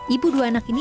ibu dua anak ini